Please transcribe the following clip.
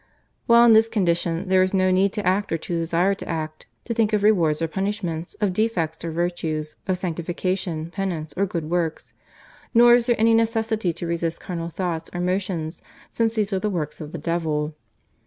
While in this condition there is no need to act or to desire to act, to think of rewards or punishments, of defects or virtues, of sanctification, penance, or good works, nor is there any necessity to resist carnal thoughts or motions since these are the works of the devil.